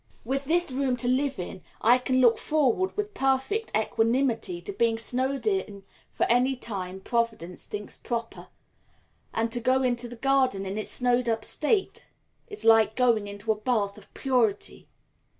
With this room to live in, I can look forward with perfect equanimity to being snowed up for any time Providence thinks proper; and to go into the garden in its snowed up state is like going into a bath of purity.